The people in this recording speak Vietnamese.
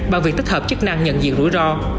bằng việc tích hợp chức năng nhận diện rủi ro